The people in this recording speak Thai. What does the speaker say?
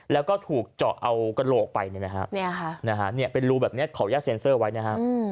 แล้วก็ถูกเจาะเอากระโหลกไปเป็นรูแบบนี้ขออนุญาตเซ็นเซอร์ไว้นะฮะ